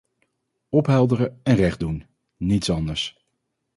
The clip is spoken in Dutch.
Ophelderen en recht doen, niets anders.